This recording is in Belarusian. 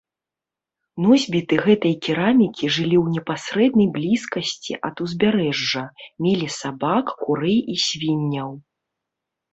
Носьбіты гэтай керамікі жылі ў непасрэднай блізкасці ад узбярэжжа, мелі сабак, курэй і свінняў.